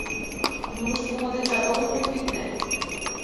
Нунышт Юмо дечат огыт лӱд, витне.